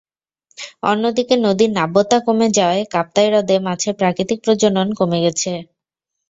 অন্যদিকে, নদীর নাব্যতা কমে যাওয়ায় কাপ্তাই হ্রদে মাছের প্রাকৃতিক প্রজনন কমে গেছে।